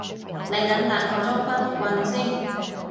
你等等我裝返碌棍先